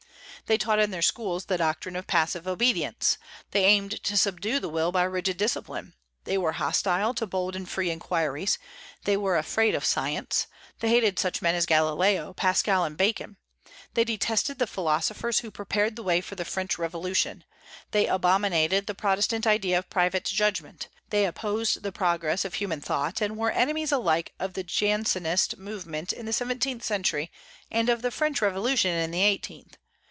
They taught in their schools the doctrine of passive obedience; they aimed to subdue the will by rigid discipline; they were hostile to bold and free inquiries; they were afraid of science; they hated such men as Galileo, Pascal, and Bacon; they detested the philosophers who prepared the way for the French Revolution; they abominated the Protestant idea of private judgment; they opposed the progress of human thought, and were enemies alike of the Jansenist movement in the seventeenth century and of the French Revolution in the eighteenth.